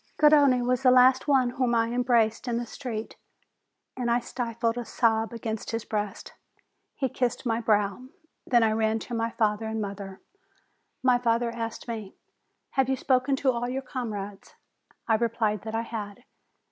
Garrone was the last one whom I embraced in the street, and I stifled a sob against his breast. He kissed my brow. Then I ran to my father and mother. My father asked me : "Have you spoken to all your comrades?" I replied that I had.